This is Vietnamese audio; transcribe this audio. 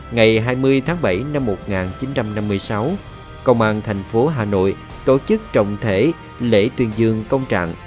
ngày hai mươi tháng bảy năm một nghìn chín trăm năm mươi sáu công an thành phố hà nội tổ chức trọng thể lễ tuyên dương công trạng